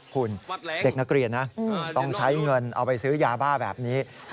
คุณเด็กนักเรียนนะต้องใช้เงินเอาไปซื้อยาบ้าแบบนี้